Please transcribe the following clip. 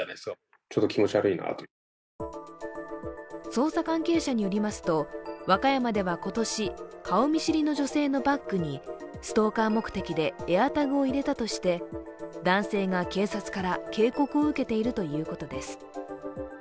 捜査関係者によりますと、和歌山では今年顔見知りの女性のバッグにストーカー目的でＡｉｒＴａｇを入れたとして男性が警察から警告を受けているということです。